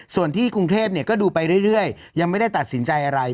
ส่วนที่กรุงเทพก็ดูไปเรื่อยยังไม่ได้ตัดสินใจอะไร